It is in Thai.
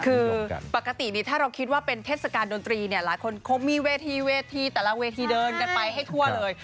คือปกตินี่ถ้าเราคิดว่าเป็นเทศกาลดนตรีเนี่ยหลายคนคงมีเวทีเวทีแต่ละเวทีเดินกันไปให้ทั่วเลย